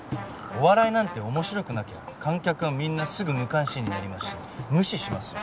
お笑いなんて面白くなきゃ観客はみんなすぐ無関心になりますし無視しますよ。